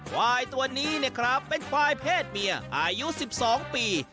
ควายตัวนี้เป็นควายเพศเมียอายุ๑๒ปี